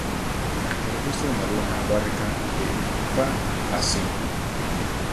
El registro de Madonna abarca de "fa" a "si".